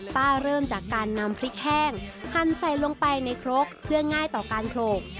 เริ่มจากการนำพริกแห้งหั่นใส่ลงไปในครกเพื่อง่ายต่อการโขลก